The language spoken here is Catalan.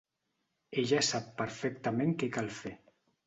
Ella sap perfectament què cal fer.